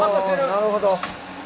なるほど。